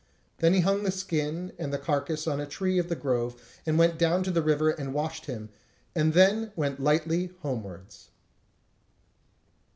Then he hung the skin and the carcase on a tree of the grove, and went down to the river and washed him, and then went lightly homewards.